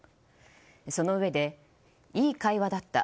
そのうえでいい会話だった